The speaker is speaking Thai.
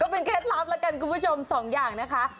เป็นเคล็ดลับแล้วกันคุณผู้ชมสองอย่างนะคะ